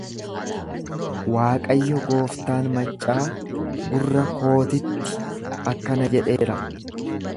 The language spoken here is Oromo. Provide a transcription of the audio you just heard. Waaqayyo gooftaan maccaa gurra kootitti akkana jedheera.